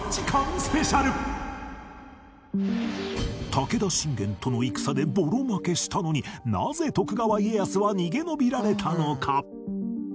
武田信玄との戦でボロ負けしたのになぜ徳川家康は逃げのびられたのか？